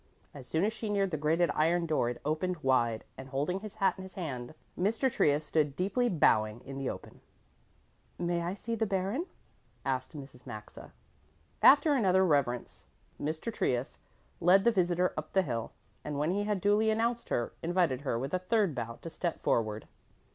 As soon as she neared the grated iron door it opened wide, and holding his hat in his hand, Mr. Trius stood deeply bowing in the opening. "May I see the Baron?" asked Mrs. Maxa. After another reverence Mr. Trius led the visitor up the hill, and when he had duly announced her, invited her with a third bow to step forward.